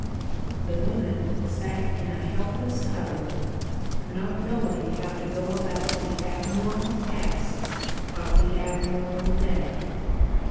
The women sat in a helpless huddle, not knowing how to go about the abnormal tasks of the abnormal day.